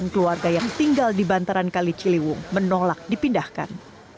sembilan ratus dua puluh delapan keluarga yang tinggal di bantaran kalijiliwung menolak dipindahkan